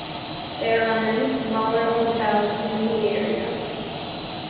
There are many smaller hotels in the area.